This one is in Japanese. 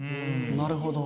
なるほど。